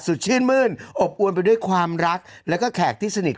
ชื่นมื้นอบอวนไปด้วยความรักแล้วก็แขกที่สนิท